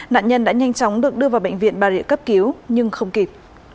nạn nhân đã nhanh chóng được đưa vào bệnh viện bà rịa cấp cứu nhưng không kịp